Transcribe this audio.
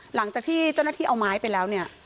หลังจากที่เจ้าหน้าที่เอาไม้ไปแล้วเนี่ย